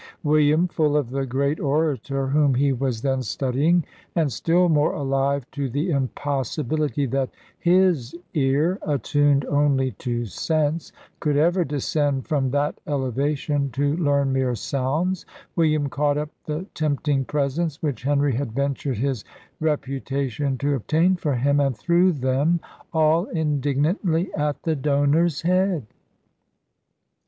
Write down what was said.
William, full of the great orator whom he was then studying, and still more alive to the impossibility that his ear, attuned only to sense, could ever descend from that elevation, to learn mere sounds William caught up the tempting presents which Henry had ventured his reputation to obtain for him, and threw them all indignantly at the donor's head.